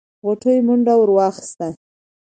غوټۍ منډه ور واخيسته.